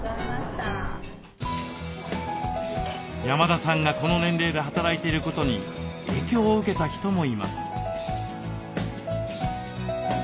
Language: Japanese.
山田さんがこの年齢で働いていることに影響を受けた人もいます。